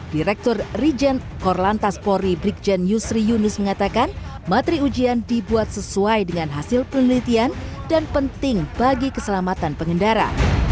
direktur rijen korlantas polri brikjen yusri yunus mengatakan materi ujian dibuat sesuai dengan hasil penelitian dan penting bagi keselamatan pengendara